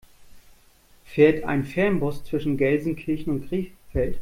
Fährt ein Fernbus zwischen Gelsenkirchen und Krefeld?